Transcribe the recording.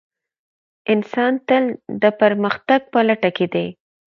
انسان تل د پرمختګ په لټه کې دی.